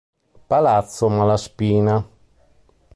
Palazzo Malaspina